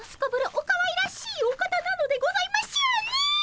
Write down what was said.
おかわいらしいお方なのでございましょうねえ！